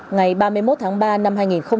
ngày ba mươi một tháng ba năm hai nghìn hai mươi